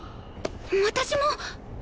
私も！